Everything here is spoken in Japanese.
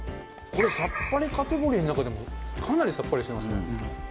これサッパリカテゴリーの中でもかなりサッパリしてますね。